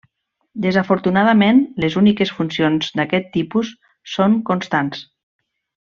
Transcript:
Desafortunadament, les úniques funcions d'aquest tipus són constants.